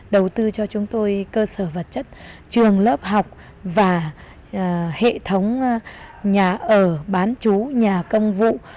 đầu tư cho chúng tôi cơ sở vật chất trường lớp học và hệ thống nhà ở bán chú nhà công vụ